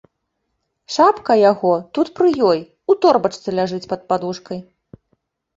Шапка яго тут пры ёй у торбачцы ляжыць пад падушкай.